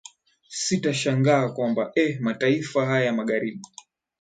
sitashangaa kwamba eeh mataifa haya ya magharibi